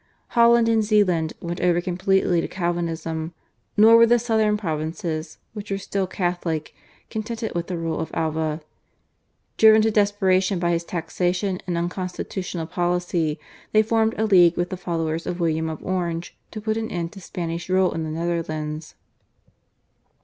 Holland and Zeeland went over completely to Calvinism, nor were the southern provinces, which were still Catholic, contented with the rule of Alva. Driven to desperation by his taxation and unconstitutional policy they formed a league with the followers of William of Orange to put an end to Spanish rule in the Netherlands.